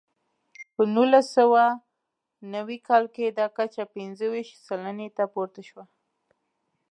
په نولس سوه نوي کال کې دا کچه پنځه ویشت سلنې ته پورته شوه.